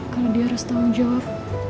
kalo dia harus tau jawab